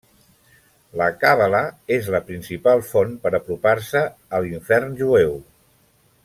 La càbala és la principal font per apropar-se a l'infern jueu.